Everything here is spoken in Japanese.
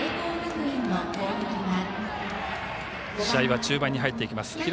試合は中盤に入っていきます。